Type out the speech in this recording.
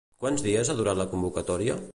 Quants dies ha durat la convocatòria?